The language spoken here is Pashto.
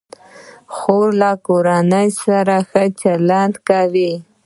خور له کورنۍ سره ښه چلند کوي.